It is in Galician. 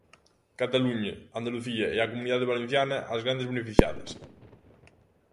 Cataluña, Andalucía e a Comunidade Valenciana, as grandes beneficiadas.